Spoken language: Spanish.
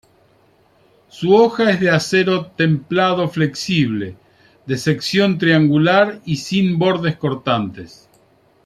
Su hoja es de acero templado flexible, de sección triangular y sin bordes cortantes.